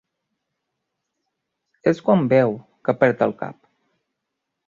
És quan beu que perd el cap.